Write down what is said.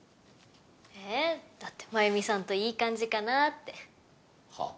えぇだって真弓さんといい感じかなってはぁ？